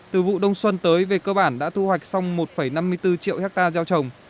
từ vụ đông xuân tới về cơ bản đã thu hoạch xong một năm mươi bốn triệu hectare gieo trồng